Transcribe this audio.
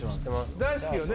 大好きよね？